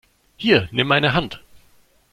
Hier, nimm meine Hand!